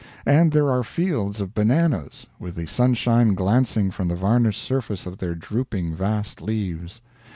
And there are fields of bananas, with the sunshine glancing from the varnished surface of their drooping vast leaves.